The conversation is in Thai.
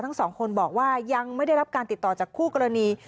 ทั้งสองคนบอกว่ายังไม่ได้รับการติดต่อจากคู่กรณี